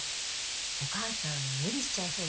お母さん無理しちゃいそうだし。